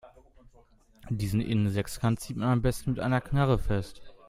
Diesen Innensechskant zieht man am besten mit einer Knarre fest.